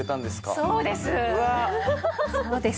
そうです。